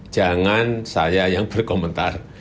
jangan saya yang berkomentar